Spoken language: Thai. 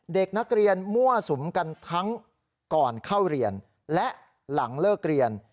เด็กนักเรียนมั่วสุมกันทั้งก่อนเข้าเรียนและหลังเลิกเรียน